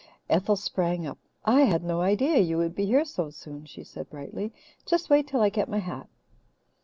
Ethel sprang up. "I had no idea you would be here so soon," she said brightly. "Just wait till I get my hat."